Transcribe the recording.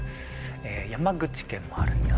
山口県もある山。